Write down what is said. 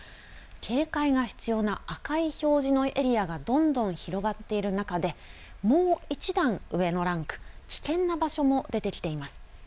警戒が必要な赤い表示のエリアがどんどん広がっている中でもう一段上のランク、危険な場所も出てきています。